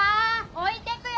置いてくよ！